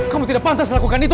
kamu tidak pantas lakukan itu